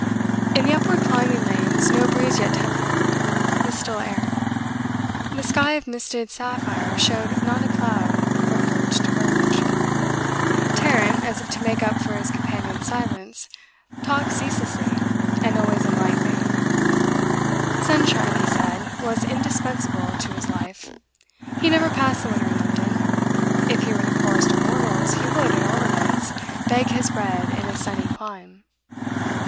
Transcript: In the upward climbing lanes, no breeze yet tempered the still air; the sky of misted sapphire showed not a cloud from verge to verge. Tarrant, as if to make up for his companion's silence, talked ceaselessly, and always in light vein. Sunshine, he said, was indispensable to his life; he never passed the winter in London; if he were the poorest of mortals, he would, at all events, beg his bread in a sunny clime.